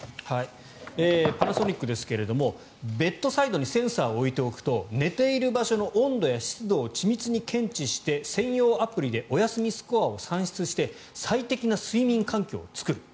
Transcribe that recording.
パナソニックですがベッドサイドにセンサーを置いておくと寝ている場所の温度や湿度を緻密に検知して専用アプリでお休みスコアを算出して最適な睡眠環境を作る。